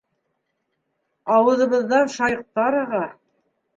Ауыҙыбыҙҙан шайыҡтар аға.